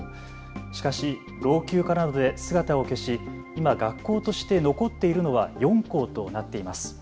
しかし老朽化などで姿を消し今、学校として残っているのは４校となっています。